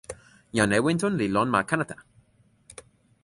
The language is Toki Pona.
jan Ewinton li lon ma Kanata!